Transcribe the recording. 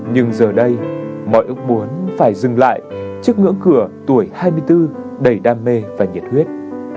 nhưng giờ đây mọi ước muốn phải dừng lại trước ngưỡng cửa tuổi hai mươi bốn đầy đam mê và nhiệt huyết